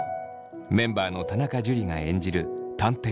メンバーの田中樹が演じる探偵